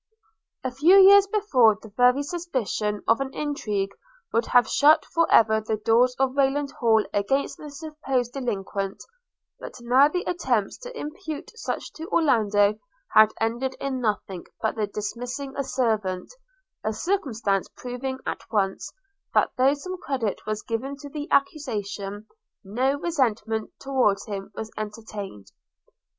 A few years before, the very suspicion of an intrigue would have shut for ever the doors of Rayland Hall against the supposed delinquent; but now the attempts to impute such to Orlando had ended in nothing but the dismissing a servant – a circumstance proving at once, that though some credit was given to the accusation, no resentment towards him was entertained.